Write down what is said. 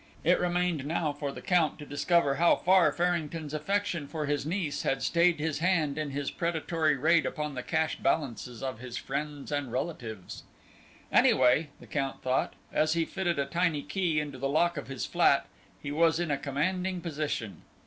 It remained now for the Count to discover how far Farrington's affection for his niece had stayed his hand in his predatory raid upon the cash balances of his friends and relatives. Anyway, the Count thought, as he fitted a tiny key into the lock of his flat, he was in a commanding position.